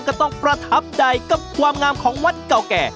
ก็ต้องประทับใดกับความงามของวัดจะ